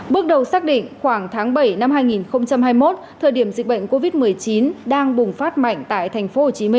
bước đầu xác định khoảng tháng bảy năm hai nghìn hai mươi một thời điểm dịch bệnh covid một mươi chín đang bùng phát mạnh tại tp hcm